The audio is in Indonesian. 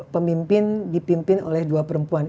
pemimpin dipimpin oleh dua perempuan